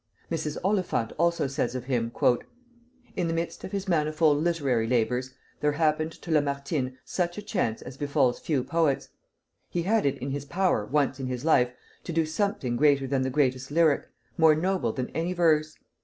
Mrs. Oliphant also says of him, "In the midst of his manifold literary labors there happened to Lamartine such a chance as befalls few poets. He had it in his power, once in his life, to do something greater than the greatest lyric, more noble than any verse.